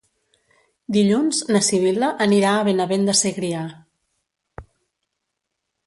Dilluns na Sibil·la anirà a Benavent de Segrià.